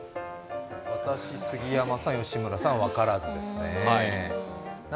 私、杉山さん、吉村さん分からずですね。